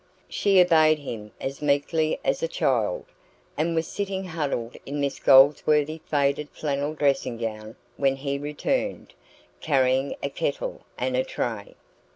She obeyed him as meekly as a child, and was sitting huddled in Miss Goldsworthy's faded flannel dressing gown when he returned, carrying a kettle and a tray.